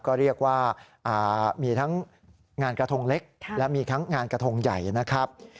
ก็เรียกว่ามีทั้งงานกระทงเล็กและมีทั้งงานกระทงใหญ่นะครับ